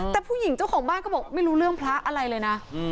แต่ผู้หญิงเจ้าของบ้านก็บอกไม่รู้เรื่องพระอะไรเลยนะ